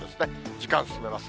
時間進めます。